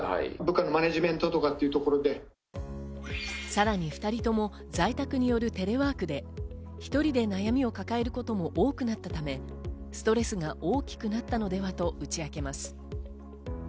さらに２人とも在宅によるテレワークで、１人で悩みを抱えることも多くなったため、ストレスが大きくなったのではと打ち明けます。